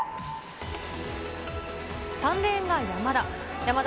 ３レーンが山田。